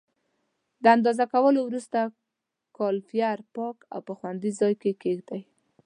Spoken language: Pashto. د اندازه کولو وروسته کالیپر پاک او په خوندي ځای کې کېږدئ.